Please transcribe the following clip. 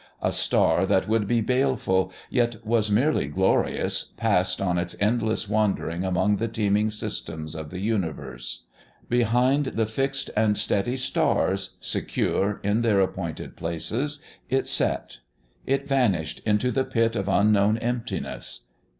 A star that would be baleful, yet was merely glorious, passed on its endless wandering among the teeming systems of the universe. Behind the fixed and steady stars, secure in their appointed places, it set. It vanished into the pit of unknown emptiness.